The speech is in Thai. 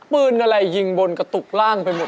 ปืนอะไรยิงบนกระตุกร่างไปหมด